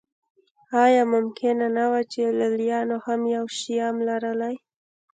آیا ممکنه نه وه چې لېلیانو هم یو شیام لرلی